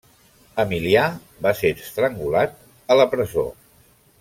Emilià va ser estrangulat a la presó.